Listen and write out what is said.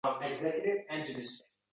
O’zingga ur tig’ni avval